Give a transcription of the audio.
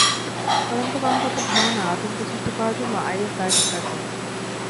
তদন্ত কর্মকর্তার ধারণা, আতঙ্ক সৃষ্টি করার জন্য আইএস দায় স্বীকার করেছে।